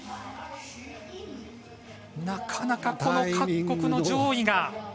なかなか各国の上位が。